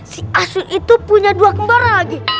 si asun itu punya dua kembara lagi